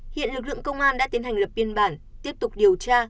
hiện lực lượng công an đã tiến hành lập biên bản tiếp tục điều tra